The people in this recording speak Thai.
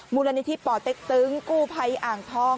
มูลนิธิป่อเต็กตึงกู้ภัยอ่างทอง